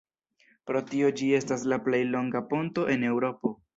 Pro tio ĝi estas la plej longa ponto en Eŭropo.